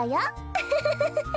ウフフフフフ。